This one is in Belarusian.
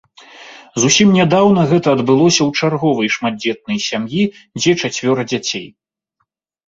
Зусім нядаўна гэта адбылося ў чарговай шматдзетнай сям'і, дзе чацвёра дзяцей.